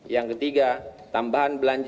yang ketiga tambahan belanja